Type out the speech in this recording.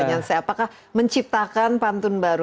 apakah menciptakan pantun baru